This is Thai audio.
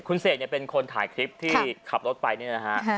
คุณเสกเนี่ยเป็นคนถ่ายคลิปที่ขับรถไปเนี่ยนะฮะ